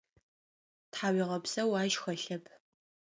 Тхьауегъэпсэу ащ хэлъэп.